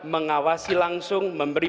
mengawasi langsung memberi